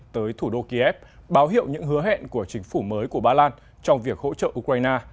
tới thủ đô kiev báo hiệu những hứa hẹn của chính phủ mới của ba lan trong việc hỗ trợ ukraine